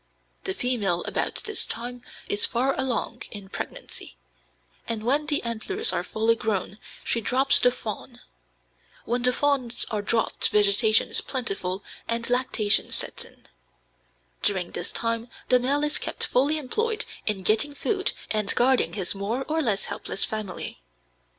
The female about this time is far along in pregnancy, and when the antlers are fully grown she drops the fawn. When the fawns are dropped vegetation is plentiful and lactation sets in. During this time the male is kept fully employed in getting food and guarding his more or less helpless family.